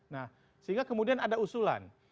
nah sehingga kemudian ada usulan